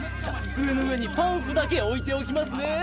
じゃ机の上にパンフだけ置いておきますね。